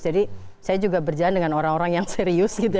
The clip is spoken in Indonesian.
jadi saya juga berjalan dengan orang orang yang serius gitu ya